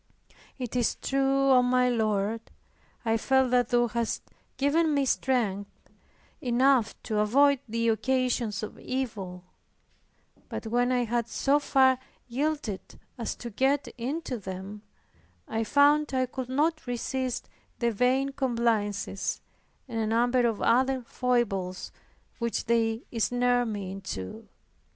"Tis true, O my Lord, I felt that Thou hadst given me strength enough to avoid the occasions of evil but when I had so far yielded as to get into them, I found I could not resist the vain complaisances, and a number of other foibles which they ensnared me into."